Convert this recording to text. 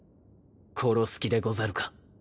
殺す気でござるか？